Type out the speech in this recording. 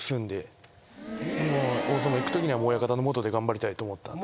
大相撲いくときには親方の下で頑張りたいと思ったんで。